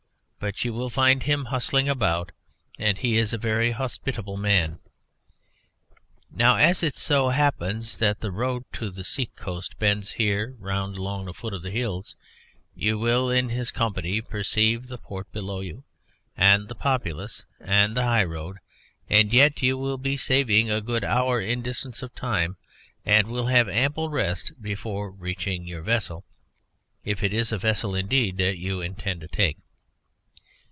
But you will find him bustling about, and he is a very hospitable man. Now as it so happens that the road to the sea coast bends here round along the foot of the hills, you will, in his company, perceive the port below you and the populace and the high road, and yet you will be saving a good hour in distance of time, and will have ample rest before reaching your vessel, if it is a vessel indeed that you intend to take."